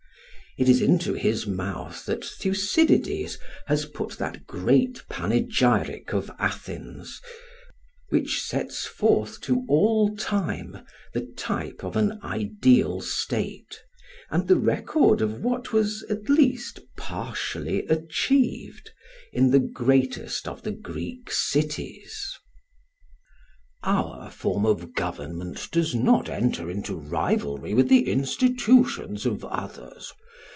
It is into his mouth that Thucydides has put that great panegyric of Athens, which sets forth to all time the type of an ideal state and the record of what was at least partially achieved in the greatest of the Greek cities: "Our form of government does not enter into rivalry with the institutions of others.